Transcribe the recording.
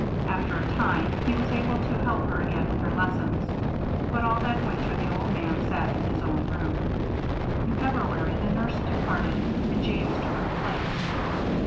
After a time, he was able to help her again with her lessons. But all that winter, the old man sat in his own room. In February the nurse departed and James took her place.